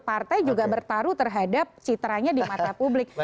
partai juga bertaruh terhadap citranya di mata publik